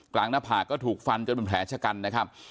หน้าผากก็ถูกฟันจนเป็นแผลชะกันนะครับ